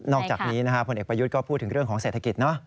อกจากนี้พลเอกประยุทธ์ก็พูดถึงเรื่องของเศรษฐกิจ